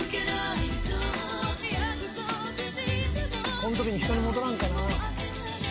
こんときにヒトに戻らんかな。